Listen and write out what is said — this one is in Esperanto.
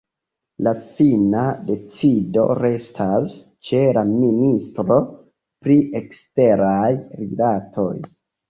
La fina decido restas ĉe la ministro pri eksteraj rilatoj.